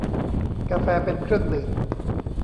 กาแฟเป็นเครื่องดื่ม